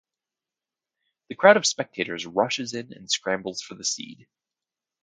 The crowd of spectators rushes in and scrambles for the seed.